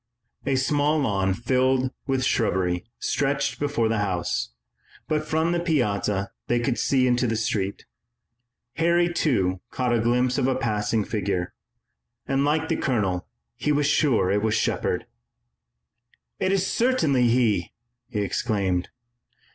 A small lawn filled with shrubbery stretched before the house, but from the piazza they could see into the street. Harry, too, caught a glimpse of a passing figure, and like the colonel he was sure that it was Shepard. "It is certainly he!" he exclaimed.